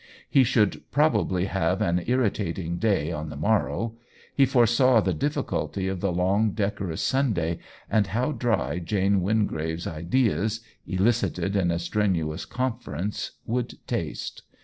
He should probably have an irritating day on the morrow; he foresaw the difficulty of the long, decorous Sunday, and how dry Jane Wingrave's ideas, elicited in a strenuous conference, would taste.